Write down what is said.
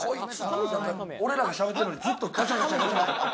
俺らがしゃべってんのにずっとカチャカチャ。